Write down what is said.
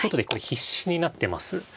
必至になってます。